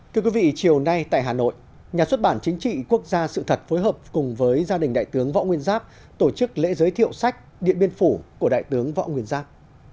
thưa quý vị chiều nay tại hà nội nhà xuất bản chính trị quốc gia sự thật phối hợp cùng với gia đình đại tướng võ nguyên giáp tổ chức lễ giới thiệu sách điện biên phủ của đại tướng võ nguyên giáp